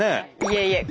いえいえ。